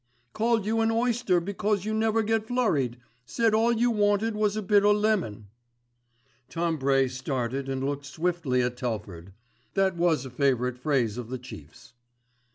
Called you an oyster because you never get flurried, said all you wanted was a bit o' lemon." Tom Bray started and looked swiftly at Telford. That was a favourite phrase of the chief's.